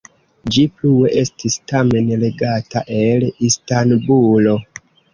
Ĝi plue estis tamen regata el Istanbulo.